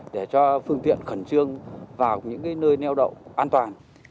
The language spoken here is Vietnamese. để cho phương tiện khẩn trương vào những nơi neo đậu an toàn